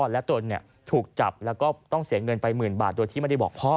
และตนถูกจับแล้วก็ต้องเสียเงินไปหมื่นบาทโดยที่ไม่ได้บอกพ่อ